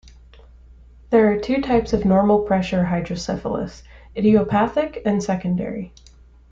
There are two types of normal pressure hydrocephalus: idiopathic and secondary.